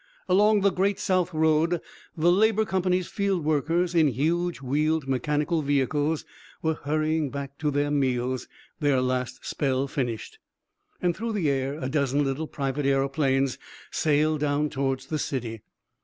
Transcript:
Along the great south road the Labour Company's field workers in huge wheeled mechanical vehicles, were hurrying back to their meals, their last spell finished. And through the air a dozen little private aëroplanes sailed down towards the city.